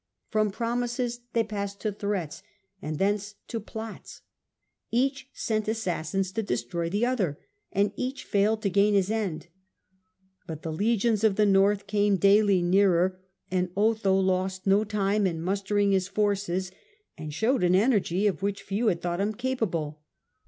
From promises they passed to threats, and thence to plots. Each sent assassins to destroy the other, and each failed to gain his end. But the legions of the North came daily After fruit * nearer, and Otho lost no time in mustering turcs 0? forces, and showed an energy of which peace, few had thought him capable.